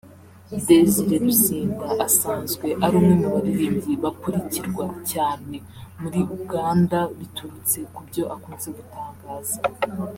Desire Luzinda asanzwe ari umwe mu baririmbyi bakurikirwa cyane muri Uganda biturutse ku byo akunze gutangaza